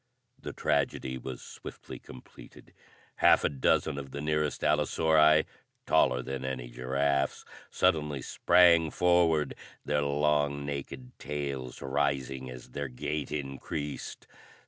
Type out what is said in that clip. The tragedy was swiftly completed. Half a dozen of the nearest allosauri, taller than any giraffes, suddenly sprang forward, their long, naked tails rising as their gait increased.